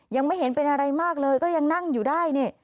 ยังไม่เห็นเป็นอะไรมากเลยก็ยังนั่งอยู่ได้นี่